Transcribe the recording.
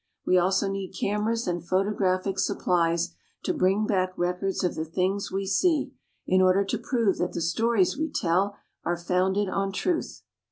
We also need cameras and photographic supplies to bring back records of the things we see, in order to prove that the stories we tell are founded on truth.